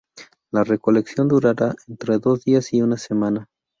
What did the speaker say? La recolección durará entre dos días y una semana.